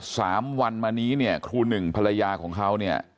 สามวันมานี้เนี่ยครูหนึ่งภรรยาของเขาเนี่ย